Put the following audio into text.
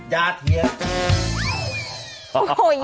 อย่าเถียง